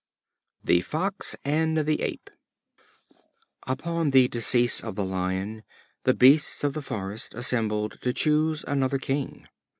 The Fox and the Ape. Upon the decease of the Lion, the beasts of the forest assembled to choose another king.